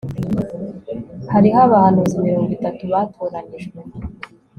Hariho abahanuzi mirongo itatu batoranijwe